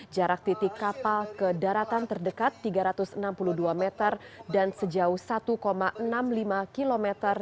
jarak titik kapal ke daratan terdekat tiga ratus enam puluh dua meter dan sejauh satu enam puluh lima km